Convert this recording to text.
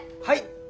はい。